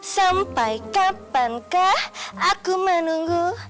siapankah aku menunggu